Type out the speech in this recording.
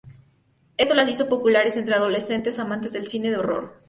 Esto las hizo populares entre adolescentes amantes del cine de horror.